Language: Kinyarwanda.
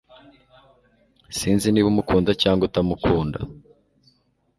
Sinzi niba umukunda cyangwa utamukunda